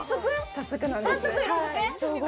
早速なんです